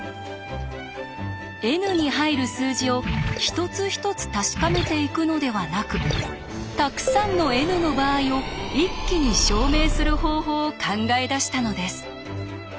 ｎに入る数字を一つ一つ確かめていくのではなくたくさんのｎの場合を一気に証明する方法を考え出したのです。